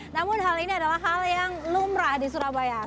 namun hal ini adalah hal yang lumrah di surabaya